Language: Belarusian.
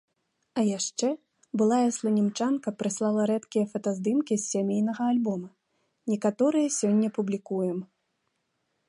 А яшчэ былая сланімчанка прыслала рэдкія фотаздымкі з сямейнага альбома, некаторыя сёння публікуем.